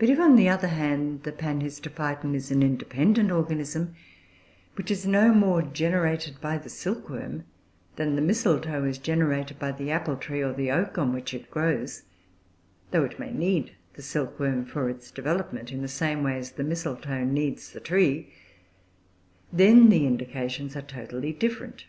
But if, on the other hand, the Panhistophyton is an independent organism, which is no more generated by the silkworm than the mistletoe is generated by the apple tree or the oak on which it grows, though it may need the silkworm for its development in the same way as the mistletoe needs the tree, then the indications are totally different.